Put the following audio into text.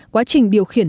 quá trình điều khiển